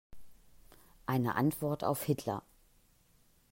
Eine Antwort auf Hitler".